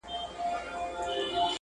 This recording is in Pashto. خو په جرمني کي افغان ډياسپورا